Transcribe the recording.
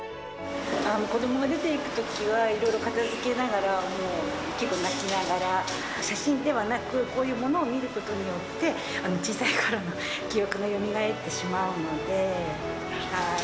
子どもが出ていくときは、色々片付けながら、もう結構泣きながら、写真ではなく、こういう物を見ることによって、小さいころの記憶がよみがえってしまうので。